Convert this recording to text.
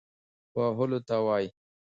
وهلو ته وايي.